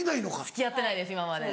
付き合ってないです今まで。